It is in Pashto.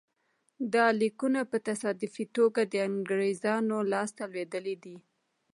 دا لیکونه په تصادفي توګه د انګرېزانو لاسته لوېدلي دي.